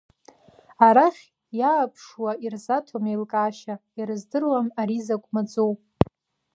Арахь иааԥшуа ирзаҭом еилкаашьа, ирыздыруам ари закә маӡоу…